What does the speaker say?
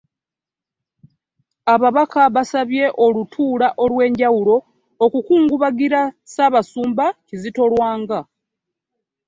Ababaka basabye olutuula olw'enjawulo okukungubagira Ssaabasumba Kizito Lwanga